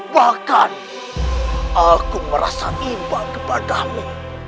bahkan aku merasa imbang kepadamu